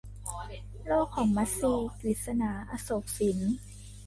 โลกของมัทรี - กฤษณา อโศกสิน